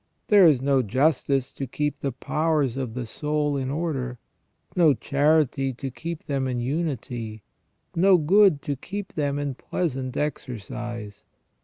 There is no justice to keep the powers of the soul in order, no charity to keep them in unity, no good to keep them in pleasant exercise.